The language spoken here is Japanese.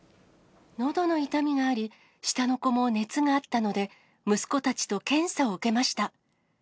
のどの痛みがあり、下の子も熱があったので、息子たちと検査を受けました。